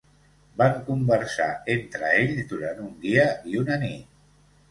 Van conversar entre ells durant un dia i una nit.